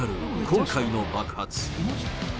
今回の爆発。